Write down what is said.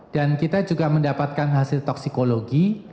dan kita juga mendapatkan hasil toxicology